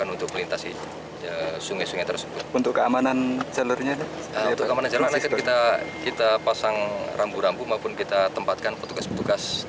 untuk keamanan kita pasang rambu rambu maupun kita tempatkan petugas petugas